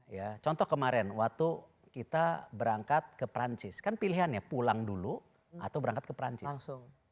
ya contoh kemarin waktu kita berangkat ke perancis kan pilihannya pulang dulu atau berangkat ke perancis